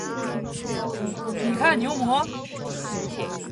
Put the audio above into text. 你看牛魔？